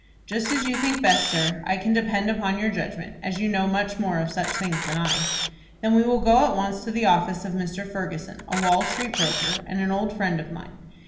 "Just as you think best, sir. I can depend upon your judgment, as you know much more of such things than I." "Then we will go at once to the office of Mr. Ferguson, a Wall Street broker, and an old friend of mine.